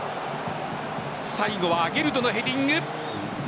最後はアゲルドのヘディング。